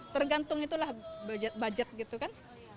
tergantung itulah budget gitu kan